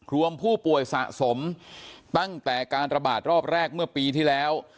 รวมผู้ป่วยสะสมตั้งแต่การระบาดรอบแรกเมื่อปีที่แล้ว